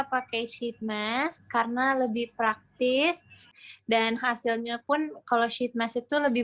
pakai sheet mass karena lebih praktis dan hasilnya pun kalau sheet mass itu lebih